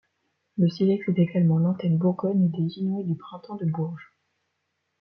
Le Silex est également l’antenne Bourgogne des Inouïs du Printemps de Bourges.